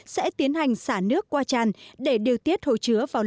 sẽ tiến hành xả nước qua tràn để điều tiết hồ chứa vào